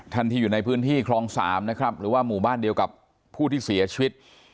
ท่านที่อยู่ในพื้นที่คลอง๓นะครับหรือว่าหมู่บ้านเดียวกับผู้ที่เสียชีวิต